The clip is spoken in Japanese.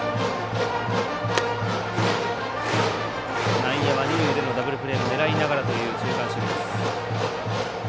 内野は二塁でのダブルプレーを狙いながらという中間守備です。